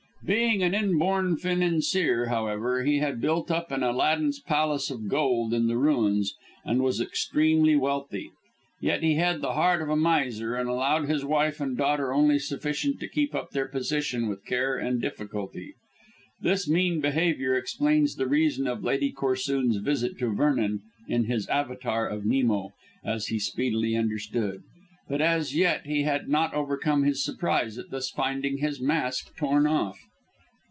Being an inborn financier, however, he had built up an Aladdin's palace of gold on the ruins, and was extremely wealthy. Yet he had the heart of a miser, and allowed his wife and daughter only sufficient to keep up their position with care and difficulty. This mean behaviour explains the reason of Lady Corsoon's visit to Vernon in his avatar of Nemo, as he speedily understood. But as yet he had not overcome his surprise at thus finding his mask torn off.